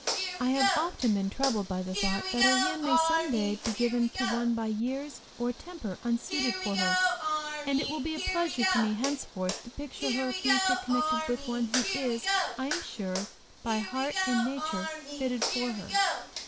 I have often been troubled by the thought that her hand may be some day given to one by years or temper unsuited for her, and it will be a pleasure to me henceforth to picture her future connected with one who is, I am sure, by heart and nature fitted for her.